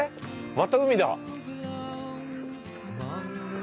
また海だ。